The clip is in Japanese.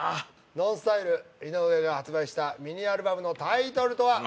ＮＯＮＳＴＹＬＥ井上が発売したミニアルバムのタイトルとは？